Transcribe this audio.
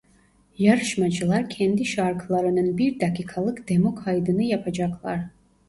Yarışmacılar kendi şarkılarının bir dakikalık demo kaydını yapacaklar.